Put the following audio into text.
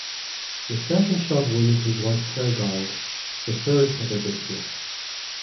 The second shot wounded his wife Hergard; the third hit a bookcase.